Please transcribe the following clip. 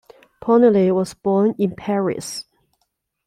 Ponnelle was born in Paris.